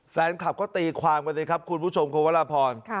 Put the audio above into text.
แฟนคลับก็ตีความกันสิครับคุณผู้ชมคุณวรพร